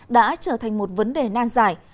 đã trở thành một vấn đề nan giải